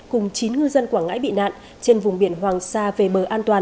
cùng chín ngư dân quảng ngãi bị nạn trên vùng biển hoàng sa về bờ